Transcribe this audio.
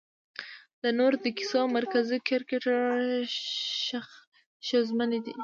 د نورو د کيسو مرکزي کرکټرونه ښځمنې دي